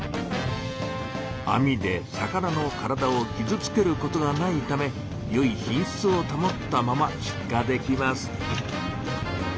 網で魚の体をきずつけることがないためよい品しつを保ったまま出荷できます。